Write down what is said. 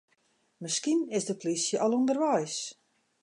Miskien is de plysje al ûnderweis.